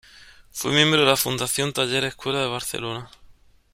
Fue miembro de la Fundación Taller Escuela de Barcelona.